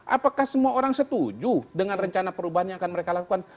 apakah semua orang setuju dengan rencana perubahan yang akan mereka lakukan